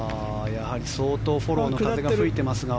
やはり相当フォローの風が吹いていますが。